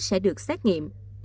sẽ được xét nghiệm